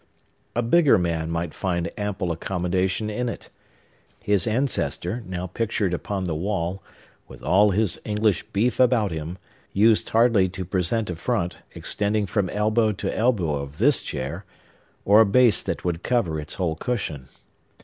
A bigger man might find ample accommodation in it. His ancestor, now pictured upon the wall, with all his English beef about him, used hardly to present a front extending from elbow to elbow of this chair, or a base that would cover its whole cushion.